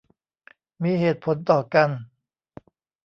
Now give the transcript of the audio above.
มีเหตุผลต่อกัน